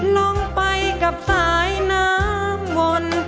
ลงไปกับสายน้ำวน